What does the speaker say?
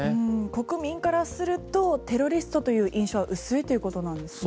国民からするとテロリストという印象は薄いということなんですね。